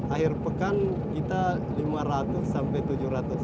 akhir pekan kita lima ratus sampai tujuh ratus